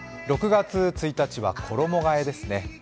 ６月１日は衣がえですね。